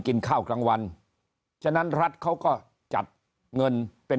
กินข้าวกลางวันฉะนั้นรัฐเขาก็จัดเงินเป็น